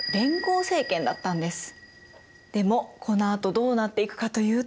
でもこのあとどうなっていくかというと。